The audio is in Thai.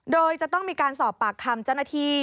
โดยจะต้องมีการสอบปากคำจนาที